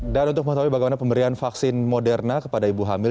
dan untuk mengetahui bagaimana pemberian vaksin moderna kepada ibu hamil